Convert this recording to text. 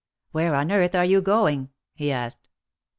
Where on earth are you going?" he asked.